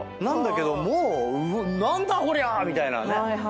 なんだけどもう何だ⁉こりゃ！みたいなね。